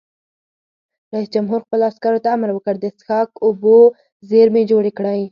رئیس جمهور خپلو عسکرو ته امر وکړ؛ د څښاک اوبو زیرمې جوړې کړئ!